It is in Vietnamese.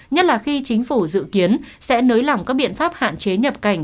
nhất là khi chính phủ dự kiến sẽ nới lỏng các biện pháp hạn chế nhập cảnh